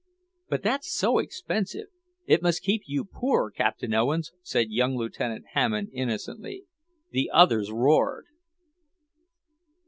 "But that's so expensive! It must keep you poor, Captain Owens," said young Lieutenant Hammond innocently. The others roared.